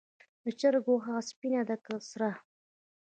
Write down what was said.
د چرګ غوښه سپینه ده که سره؟